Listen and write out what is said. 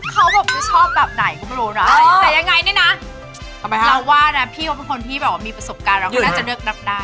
เขาแบบจะชอบแบบไหนก็ไม่รู้นะแต่ยังไงเนี่ยนะเราว่านะพี่เขาเป็นคนที่แบบว่ามีประสบการณ์เราก็น่าจะเลือกรับได้